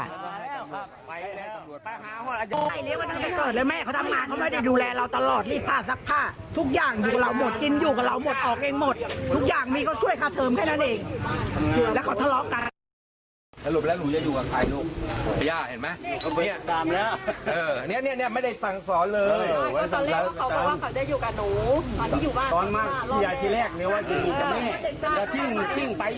อันนี้อยู่บ้านฟ้ายมากฟี่อย่าเรียกว่าอยู่จนอยู่อันนี้